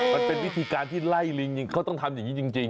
มันเป็นวิธีการที่ไล่ลิงจริงเขาต้องทำอย่างนี้จริง